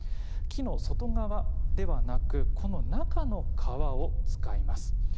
木の外側ではなくこの中の皮を使います。